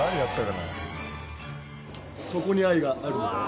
「そこに愛はあるのかい？」